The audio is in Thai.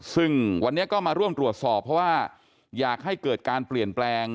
ซึ่งวันนี้ก็มาร่วมตรวจสอบเพราะว่าอยากให้เกิดการเปลี่ยนแปลง